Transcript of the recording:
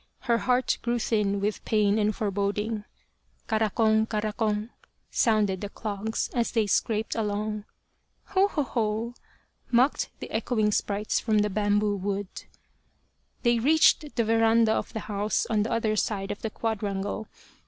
Her heart grew thin with pain and foreboding. " Karakong," " karakong," sounded the clogs, as they scraped along. " Ho, ho, ho !" mocked the echoing sprites from the bamboo wood. They reached the veranda of the house on the other side of the quadrangle.